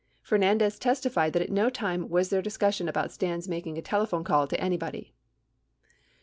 Fernandez testified that at no time was there discussion about Stans making a telephone call to anybody.